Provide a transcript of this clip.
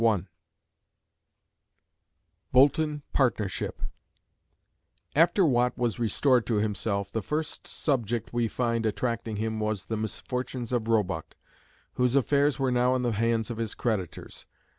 CHAPTER V BOULTON PARTNERSHIP After Watt was restored to himself the first subject which we find attracting him was the misfortunes of Roebuck, whose affairs were now in the hands of his creditors.